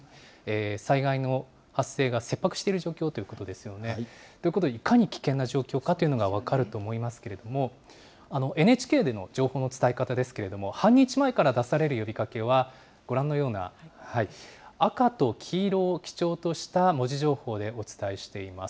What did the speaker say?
災害の発生が切迫している状況ということですよね。ということで、いかに危険な状況かというのが分かると思いますけれども、ＮＨＫでの情報の伝え方ですけれども、半日前から出される呼びかけは、ご覧のような赤と黄色を基調とした文字情報でお伝えしています。